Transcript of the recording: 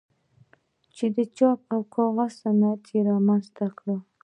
چې د چاپ او کاغذ صنعت یې رامنځته کړ.